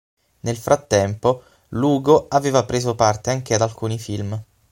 Nel frattempo Lugo aveva preso parte anche ad alcuni film.